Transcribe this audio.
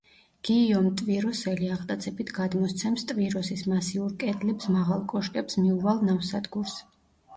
გიიომ ტვიროსელი აღტაცებით გადმოსცემს ტვიროსის მასიურ კედლებს, მაღალ კოშკებს მიუვალ ნავსადგურს.